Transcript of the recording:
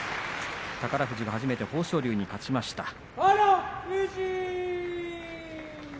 宝富士が初めて豊昇龍に勝ちました。